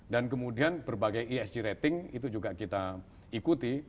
dan kemudian berbagai esg rating itu juga kita ikuti